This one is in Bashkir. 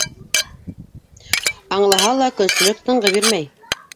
Аңлаһа ла, көнсөллөк тынғы бирмәй.